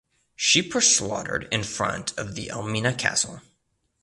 Sheep are slaughtered in front of the Elmina castle.